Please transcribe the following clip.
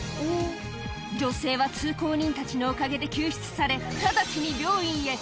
女性は通行人たちのおかげで救出され、直ちに病院へ。